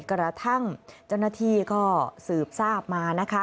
กระทั่งเจ้าหน้าที่ก็สืบทราบมานะคะ